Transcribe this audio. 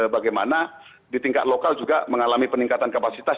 bagaimana di tingkat lokal juga mengalami peningkatan kapasitas